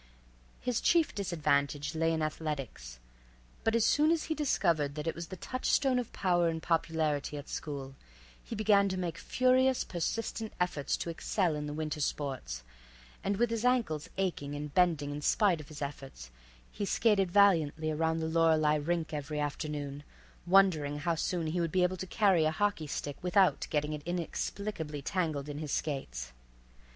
His chief disadvantage lay in athletics, but as soon as he discovered that it was the touchstone of power and popularity at school, he began to make furious, persistent efforts to excel in the winter sports, and with his ankles aching and bending in spite of his efforts, he skated valiantly around the Lorelie rink every afternoon, wondering how soon he would be able to carry a hockey stick without getting it inexplicably tangled in his skates.